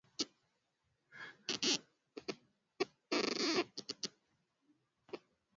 Wanajeshi wa Marekani wasiozidi mia tano wameidhinishwa kuingia Somalia kukabiliana na Al Shabaab